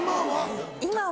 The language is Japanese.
今は？